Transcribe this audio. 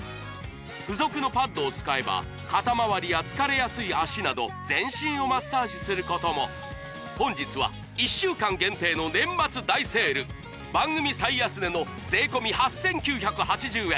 付属のパッドを使えば肩まわりや疲れやすい脚など全身をマッサージすることも本日は１週間限定の年末大セール番組最安値の税込８９８０円